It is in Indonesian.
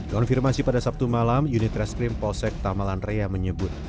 konfirmasi pada sabtu malam unit reskrim polsek tamalan raya menyebut